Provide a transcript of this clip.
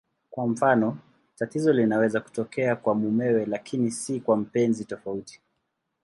Kwa mfano, tatizo linaweza kutokea kwa mumewe lakini si kwa mpenzi tofauti.